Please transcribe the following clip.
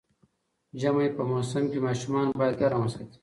ژمی په موسم کې ماشومان باید ګرم وساتي